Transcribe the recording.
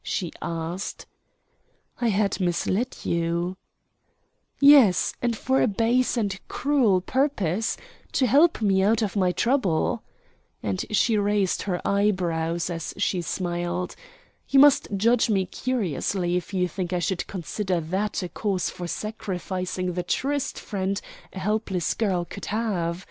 she asked. "I had misled you." "Yes, and for a base and cruel purpose to help me out of my trouble," and she raised her eyebrows as she smiled. "You must judge me curiously if you think I should consider that a cause for sacrificing the truest friend a helpless girl could have.